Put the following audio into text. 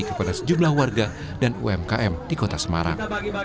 kepada sejumlah warga dan umkm di kota semarang